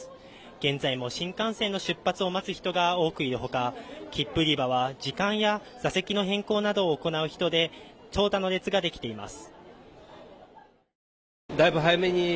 現在も新幹線の出発を待つ人が多くいるほか切符売り場は時間や座席の変更などを行う人で長蛇の列ができています